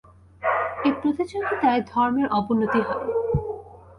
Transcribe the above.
এই প্রতিযোগিতায় ধর্মের অবনতি হয়।